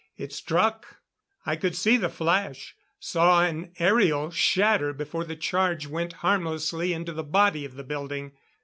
It struck; I could see the flash, saw an aerial shatter before the charge went harmlessly into the body of the building.